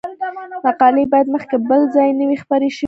مقالې باید مخکې بل ځای نه وي خپرې شوې.